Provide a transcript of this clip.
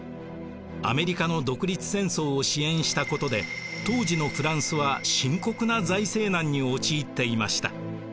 アメリカの独立戦争を支援したことで当時のフランスは深刻な財政難に陥っていました。